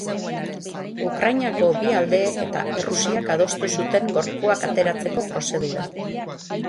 Ukrainako bi aldeek eta Errusiak adostu zuten gorpuak ateratzeko prozedura.